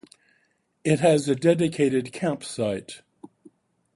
It has a dedicated campsite.